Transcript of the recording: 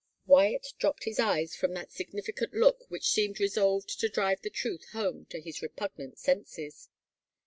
Wyatt dropped his eyes from that significant look which seemed resolved to drive the truth home to his repugnant senses.